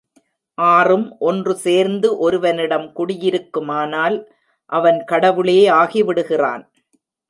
ஆறும் ஒன்று சேர்ந்து ஒருவனிடம் குடியிருக்குமானால் அவன் கடவுளே ஆகிவிடுகிறான்.